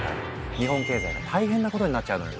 日本経済が大変なことになっちゃうのよ。